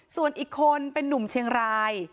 ส่วนอีกคนเป็นนุ่มเชียงราย